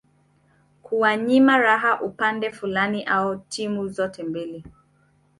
kuwanyima raha upande fulani au timu zote mbili